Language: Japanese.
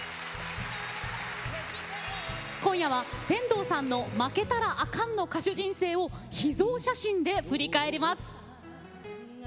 今夜は天童さんの負けたらあかんの歌手人生を秘蔵写真で振り返ります。